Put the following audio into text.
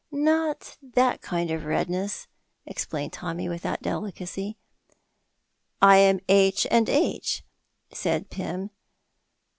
"Not that kind of redness," explained Tommy, without delicacy. "I am 'H and H,'" said Pym.